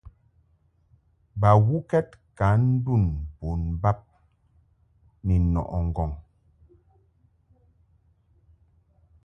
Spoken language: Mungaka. Bawukɛd ka ndun bon bab ni nɔʼɨ ŋgɔŋ.